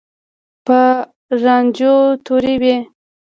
په رانجو تورې وې.